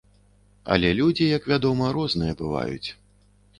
Але людзі, як вядома, розныя бываюць.